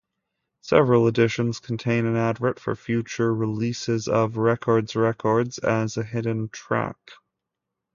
Several editions contain an advert for future releases of RekordsRekords as a hidden track.